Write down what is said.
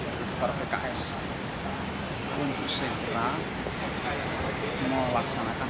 pemimpin fahri adalah pemimpin fahri dari partai keadilan sejahtera